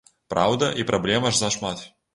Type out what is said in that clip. Праўда, і праблем аж зашмат.